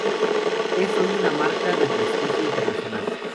Es hoy una marca de prestigio internacional.